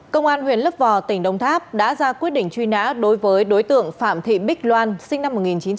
công an huyện lấp vò tỉnh đông tháp đã ra quyết định truy nã đối với đối tượng phạm thị bích loan sinh năm một nghìn chín trăm tám mươi